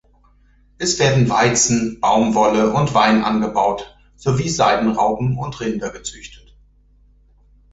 Es werden Weizen, Baumwolle und Wein angebaut sowie Seidenraupen und Rinder gezüchtet.